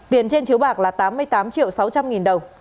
tiền trên chiếu bạc là tám mươi tám triệu sáu trăm linh nghìn đồng